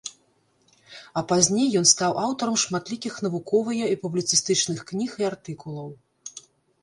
А пазней ён стаў аўтарам шматлікіх навуковыя і публіцыстычных кніг і артыкулаў.